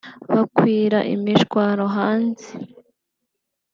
bakwira imishwaro hanze